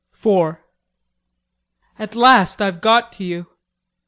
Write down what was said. IV "At last I've got to you!"